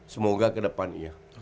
semoga kedepan iya